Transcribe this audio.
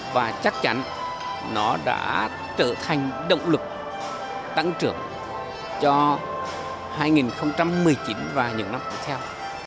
và chắc chắn nó đã trở thành động lực tăng trưởng cho hai nghìn một mươi chín và những năm tiếp theo